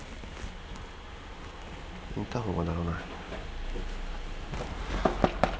インターホンが鳴らない。